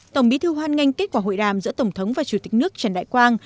tổng bí thư hoan nghênh kết quả hội đàm giữa tổng thống và chủ tịch nước trần đại quang